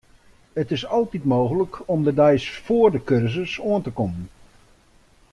It is altyd mooglik om de deis foar de kursus oan te kommen.